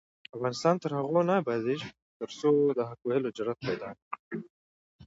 افغانستان تر هغو نه ابادیږي، ترڅو د حق ویلو جرات پیدا نکړو.